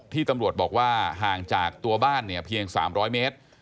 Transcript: ตำรวจบอกว่าห่างจากตัวบ้านเนี่ยเพียง๓๐๐เมตร